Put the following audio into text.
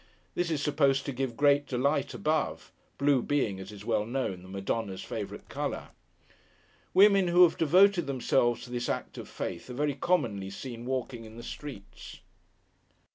This is supposed to give great delight above; blue being (as is well known) the Madonna's favourite colour. Women who have devoted themselves to this act of Faith, are very commonly seen walking in the streets.